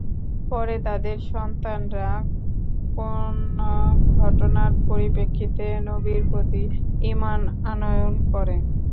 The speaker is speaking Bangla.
পরে তাদের সন্তানরা কোন ঘটনার পরিপ্রেক্ষিতে নবীর প্রতি ঈমান আনয়ন করে।